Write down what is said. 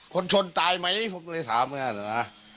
คนชนตายไหมผมเลยถามนะครับ